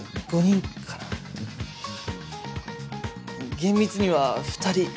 厳密には２人。